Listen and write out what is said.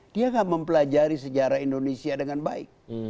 dia gak mempelajari sejarah indonesia dengan baik